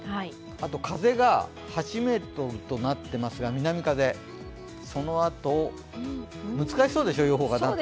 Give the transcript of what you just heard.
あと風が８メートルとなってますが南風、そのあと難しそうでしょう？